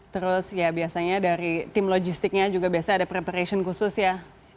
terus ya biasanya dari tim logistiknya juga biasanya ada preparation khusus ya